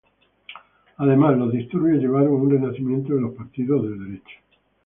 Además, los disturbios llevaron a un renacimiento de los partidos de derecha.